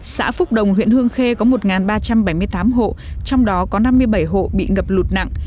xã phúc đồng huyện hương khê có một ba trăm bảy mươi tám hộ trong đó có năm mươi bảy hộ bị ngập lụt nặng